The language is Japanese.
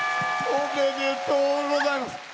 おめでとうございます。